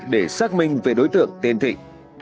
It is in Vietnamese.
để xác minh về đối tượng tên thịnh